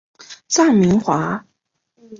臧明华。